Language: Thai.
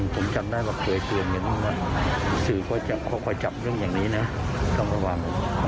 ตักเตือน